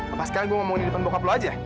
apa sekali gue ngomongin di depan bokap lo aja